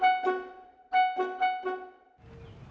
bisa gak bisa berhenti